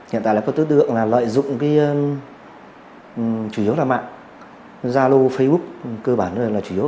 hiện tại là có tư tượng lợi dụng chủ yếu là mạng zalo facebook cơ bản là chủ yếu